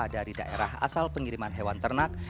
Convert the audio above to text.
dari daerah asal pengiriman hewan ternak